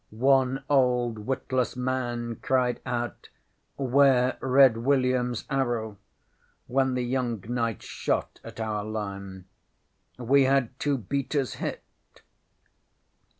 ŌĆ£One old witless man cried out, ŌĆśŌĆÖWare Red WilliamŌĆÖs arrow, ŌĆÖ when the young knights shot at our line. We had two beaters hit.